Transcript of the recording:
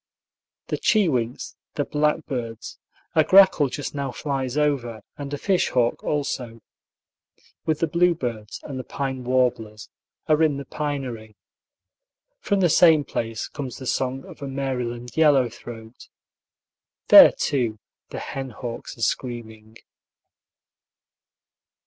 The chewinks, the blackbirds (a grackle just now flies over, and a fish hawk, also), with the bluebirds and the pine warblers, are in the pinery. From the same place comes the song of a Maryland yellow throat. There, too, the hen hawks are screaming.